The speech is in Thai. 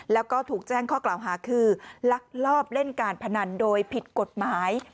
แล้วก็ถูกแจ้งข้อกล่าวหาคือลักลอบเล่นการพนันโดยผิดกฎหมาย